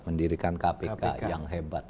mendirikan kpk yang hebat